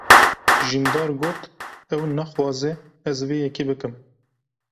Jîndar got ew naxwaze ez vê yekê bikim.